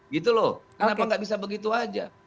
gitu loh kenapa nggak bisa begitu aja